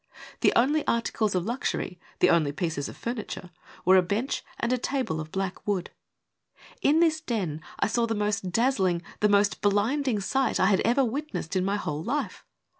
The only articles of luxury, the only pieces of furniture, were a bench and a table of black wood. In this den I saw the most dazzling, the most blinding sight I had ever witnessed in my whole life..